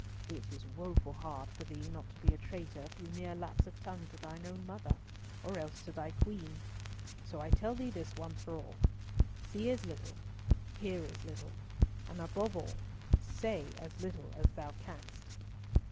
It is woeful hard for thee not to be a traitor through mere lapse of tongue to thine own mother, or else to thy Queen. So I tell thee this once for all. See as little, hear as little, and, above all, say as little as thou canst."